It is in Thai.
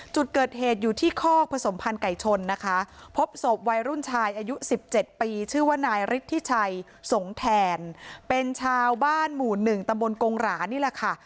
จุดเกิดเหตุอยู่ที่คอกผสมพันธ์ไก่ชนนะคะพบศพวัยรุ่นชายอายุ๑๗ปีชื่อว่านายฤทธิชัยสงแทนเป็นชาวบ้านหมู่๑ตำบลกงหรานี่แหละค่ะ